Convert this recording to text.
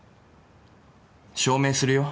証明するよ